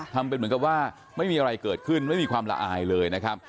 ทำเป็นเหมือนกับว่าไม่มีอะไรเกิดขึ้นไม่มีความละอายเลยนะครับ